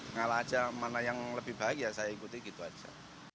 ngalah aja mana yang lebih baik ya saya ikuti gitu aja